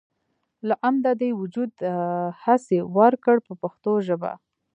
له عدمه دې وجود دهسې ورکړ په پښتو ژبه.